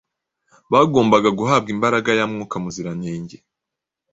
bagombaga guhabwa imbaraga ya Mwuka Muziranenge.